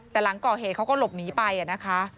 แต่หลังก่อเหตุเขาก็หลบหนีไปนะคะ